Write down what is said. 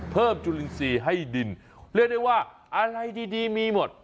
จุลินทรีย์ให้ดินเรียกได้ว่าอะไรดีมีหมด